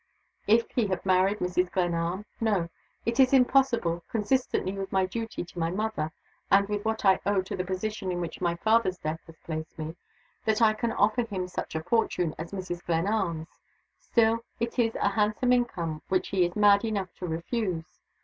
"If he had married Mrs. Glenarm? No. It is impossible, consistently with my duty to my mother, and with what I owe to the position in which my father's death has placed me, that I can offer him such a fortune as Mrs. Glenarm's. Still, it is a handsome income which he is mad enough to refuse.